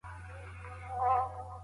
هلک باید درواغ ونه وايي.